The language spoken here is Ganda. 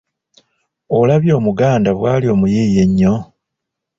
Olabye Omuganda bw'ali omuyiiya ennyo?